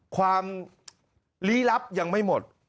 ความลี้ลับยังไม่หมด